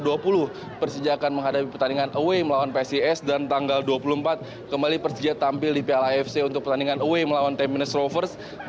dan kemudian persija akan menghadapi pertandingan away melawan psis dan tanggal dua puluh empat kembali persija tampil di piala afc untuk pertandingan away melawan sepuluh minutes rovers